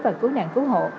và cứu nạn cứu hộ